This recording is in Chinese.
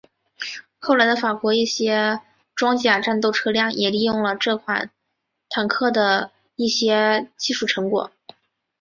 后来的法国一些装甲战斗车辆也利用了这款坦克的一些技术成果。